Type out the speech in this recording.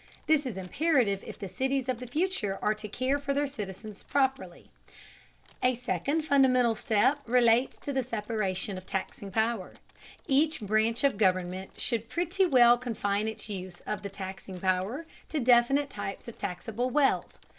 This is imperative if the cities of the future are to care for their citizens properly. A second fundamental step relates to the separation of taxing power. Each branch of government should pretty well confine its use of the taxing power to definite types of taxable wealth.